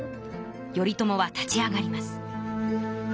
頼朝は立ち上がります。